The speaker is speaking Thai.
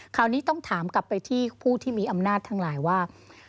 คราวนี้ต้องถามกลับไปที่ผู้ที่มีอำนาจทั้งหลายว่า